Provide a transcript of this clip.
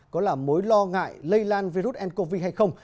có là mối lo ngại lây lan virus ncov hay không